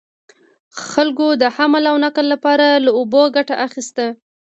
خلکو د حمل او نقل لپاره له اوبو ګټه اخیسته.